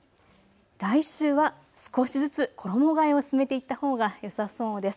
来週は少しずつ衣がえを進めていったほうがよさそうです。